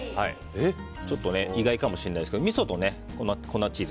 ちょっと意外かもしれないですけどみそと粉チーズ